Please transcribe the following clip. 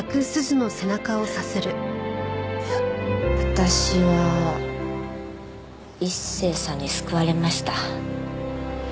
私は一星さんに救われました。